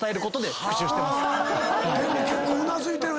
でも結構うなずいてるね